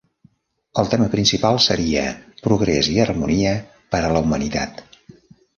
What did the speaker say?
El tema principal seria "Progres i harmonia per a la humanitat".